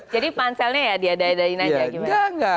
jadi panselnya ya diadain aja gimana